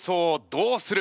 どうする？